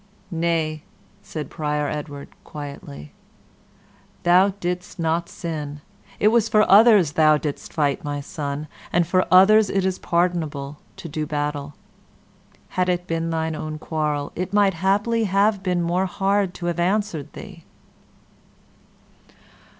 "Nay," said Prior Edward, quietly, "thou didst not sin. It was for others thou didst fight, my son, and for others it is pardonable to do battle. Had it been thine own quarrel, it might haply have been more hard to have answered thee."